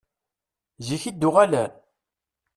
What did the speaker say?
Zik i d-uɣalen?